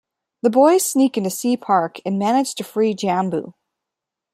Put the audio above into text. The boys sneak into Sea Park and manage to free Jambu.